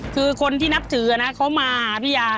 คือคนที่นับถือนะเขามาพี่ยา